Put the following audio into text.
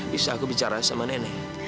bisa aku bicara sama nenek